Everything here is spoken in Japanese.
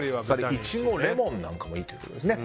イチゴ、レモンなんかもいいということですね。